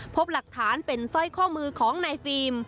พบหลักฐานเป็นสร้อยข้อมือของนายฟิล์ม